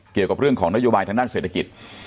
เกี่ยวกับเรื่องของนโยบายทางด้านเศรษฐกิจ